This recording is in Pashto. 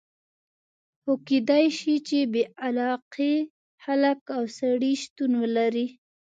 خو کېدای شي چې بې علاقې خلک او سړي شتون ولري.